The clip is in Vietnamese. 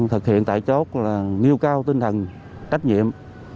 thực hiện tại chốt là nêu cao tinh thần trách nhiệm